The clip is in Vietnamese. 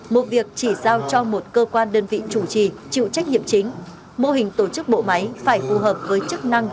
một việc chỉ giao cho một cơ quan đơn vị chủ trì chịu trách nhiệm chính mô hình tổ chức bộ máy phải phù hợp với chức năng